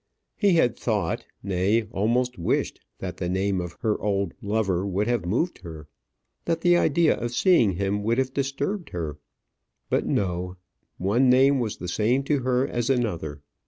He had thought, nay, almost wished, that the name of her old lover would have moved her, that the idea of seeing him would have disturbed her. But, no; one name was the same to her as another.